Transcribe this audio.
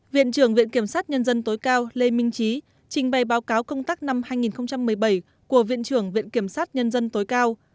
viện trưởng viện kiểm sát nhân dân tối cao lê minh trí trình bày báo cáo công tác năm hai nghìn một mươi bảy của viện trưởng viện kiểm sát nhân dân tối cao